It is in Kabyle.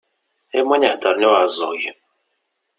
Am win i iheddren i uɛeẓẓug.